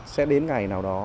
sẽ đến ngày nào đó